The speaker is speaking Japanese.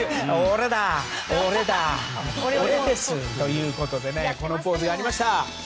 俺だ！ということでこのポーズがありました。